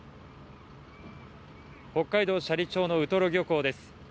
北海道斜里町のウトロ漁港です